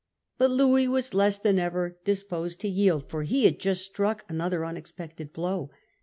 But Louis was less than ever disposed to yield, for he had just struck another unexpected blow.